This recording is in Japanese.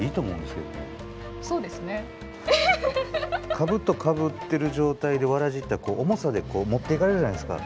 かぶとかぶってる状態で草鞋って重さで持っていかれるじゃないですか。